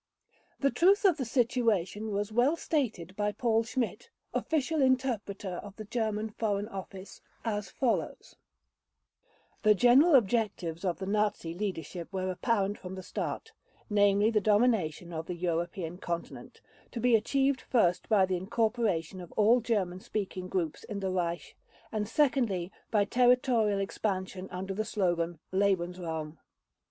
The truth of the situation was well stated by Paul Schmidt, official interpreter of the German Foreign Office, as follows: "The general objectives of the Nazi leadership were apparent from the start, namely the domination of the European Continent, to be achieved first by the incorporation of all German speaking groups in the Reich, and secondly, by territorial expansion under the slogan "Lebensraum".